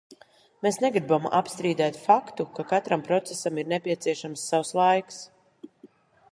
Mēs negribam apstrīdēt faktu, ka katram procesam ir nepieciešams savs laiks.